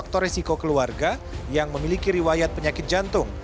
faktor resiko keluarga yang memiliki riwayat penyakit jantung